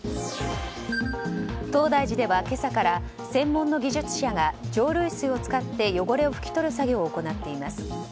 東大寺では今朝から専門の技術者が蒸留水を使って汚れを拭き取る作業を行っています。